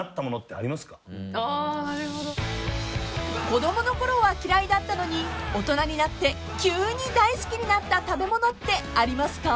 ［子供のころは嫌いだったのに大人になって急に大好きになった食べ物ってありますか？］